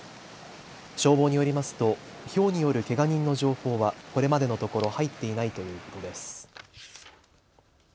消防によりますとひょうによるけが人の情報はこれまでのところ、入っていないということです。